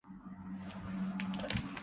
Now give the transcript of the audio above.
天矇光